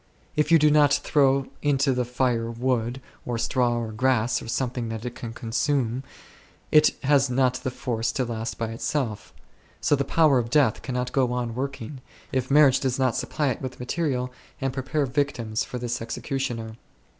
If you do not throw into the fire wood, or straw, or grass, or something that it can consume, it has not the force to last by itself; so the power of death cannot go on working, if marriage does not supply it with material and pre pare victims for this executioner.